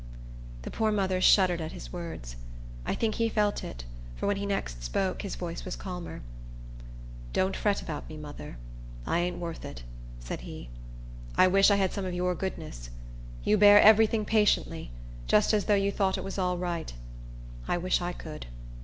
The poor mother shuddered at his words. I think he felt it; for when he next spoke, his voice was calmer. "Don't fret about me, mother. I ain't worth it," said he. "I wish I had some of your goodness. You bear every thing patiently, just as though you thought it was all right. I wish I could."